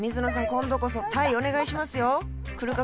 今度こそタイお願いしますよ来るか？